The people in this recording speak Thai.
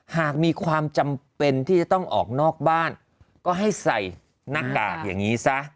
หากมีความจำเป็นที่จะต้องออกนอกบ้านก็ให้ใส่หน้ากากอย่างนี้ซะ